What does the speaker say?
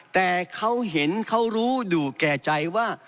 แต่เขาเห็นเขารู้ดุแก่ใจว่า